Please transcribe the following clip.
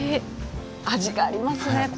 味がありますね。